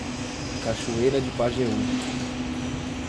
Cachoeira de Pajeú